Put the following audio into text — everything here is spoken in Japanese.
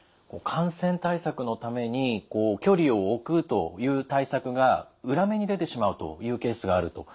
感染対策のために距離を置くという対策が裏目に出てしまうというケースがあると。